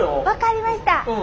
分かりました。